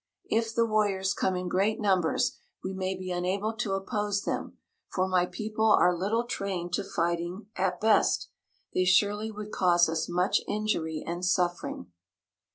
If the warriors come in great numbers we may be unable to oppose them, for my people are little trained to fighting at best; they surely would cause us much injury and suffering."